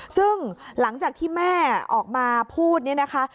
ซึ่งหลังจากที่แม่ออกมาพูดเนี่ยนะคะ